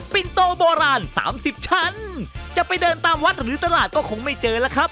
ินโตโบราณ๓๐ชั้นจะไปเดินตามวัดหรือตลาดก็คงไม่เจอแล้วครับ